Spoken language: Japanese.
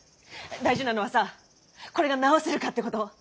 大事なのはさこれが治せるかってこと！